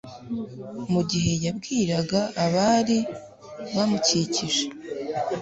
Mu gihe yabwiraga abari bamukikije,